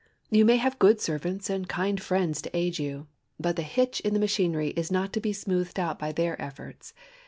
You may have good servants and kind friends to aid you, but the hitch in the machinery is not to be smoothed out by their efforts.